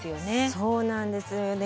そうなんですよね。